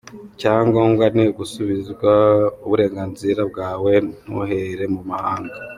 Icyangombwa ni ugusubizwa uburenganzira bwawe ntuhere mu mahanga.